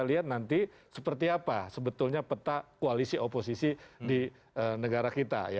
kita lihat nanti seperti apa sebetulnya peta koalisi oposisi di negara kita